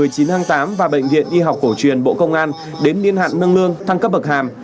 bệnh viện một mươi chín tháng tám và bệnh viện y học của chuyên bộ công an đến niên hạn nâng lương thăng cấp bậc hàm